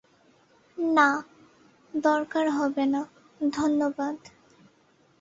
না, দরকার হবে না, ধন্যবাদ।